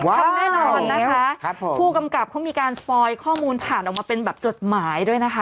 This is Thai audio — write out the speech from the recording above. ทำแน่นอนนะคะผู้กำกับเขามีการสปอยข้อมูลผ่านออกมาเป็นแบบจดหมายด้วยนะคะ